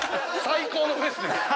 最高のフェス。